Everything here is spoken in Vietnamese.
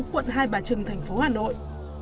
quận hai bà trừng thành phố hà nội